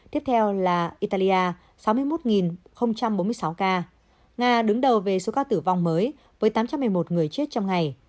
tiếp theo là italia sáu mươi một bốn mươi sáu ca nga đứng đầu về số ca tử vong mới với tám trăm một mươi một người chết trong ngày